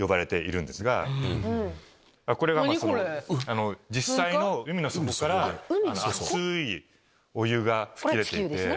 これが実際の海の底から熱いお湯が噴き出てて。